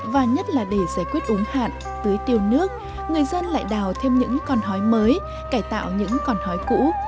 uống hạn tưới tiêu nước người dân lại đào thêm những con hói mới cải tạo những con hói cũ